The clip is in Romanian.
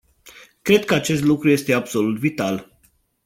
Cred că acest lucru este absolut vital.